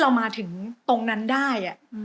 เรามาถึงตรงนั้นได้